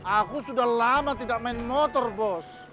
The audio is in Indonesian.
aku sudah lama tidak main motor bos